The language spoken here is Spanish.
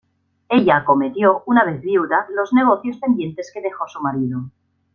Ella acometió, una vez viuda, los negocios pendientes que dejó su marido.